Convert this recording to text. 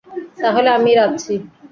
তাহলে আমিই বাঁধছি।